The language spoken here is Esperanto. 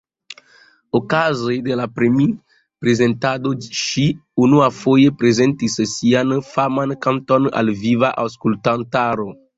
Okaze de la premi-prezentado ŝi unuafoje prezentis sian faman kanton al viva aŭskultantaro.